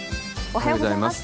おはようございます。